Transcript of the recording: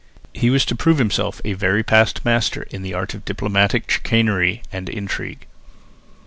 He was to prove himself a very past master in the art of diplomatic chicanery and intrigue.